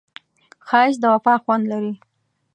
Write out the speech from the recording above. ښایست د وفا خوند لري